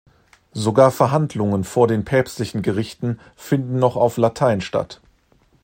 Sogar Verhandlungen vor den päpstlichen Gerichten finden noch auf Latein statt.